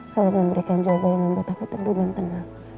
saya memberikan jawabannya untuk aku terduh dan tenang